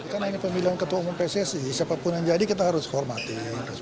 karena ini pemilihan ketua umum pssi siapapun yang jadi kita harus hormati